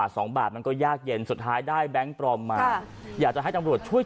วินาทีที่แม่ค้ารับแบงค์ปลอมมาแปลว่าแม่ค้าขาดทุนแล้วนะ